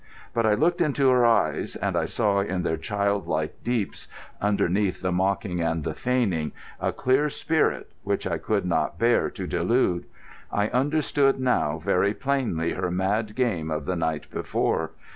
But I looked into her eyes; and I saw in their childlike deeps, underneath the mocking and the feigning, a clear spirit, which I could not bear to delude. I understood now very plainly her mad game of the night before.